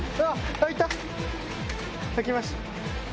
開きました。